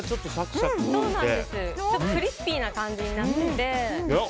クリスピーな感じになってて。